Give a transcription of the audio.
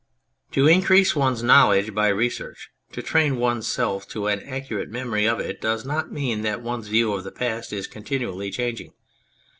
To increase one's knowledge by research, to train one's self to an accurate memory of it, does not mean that one's view of the past is continually changing.